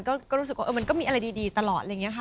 ก็รู้สึกว่ามันก็มีอะไรดีตลอดอะไรอย่างนี้ค่ะ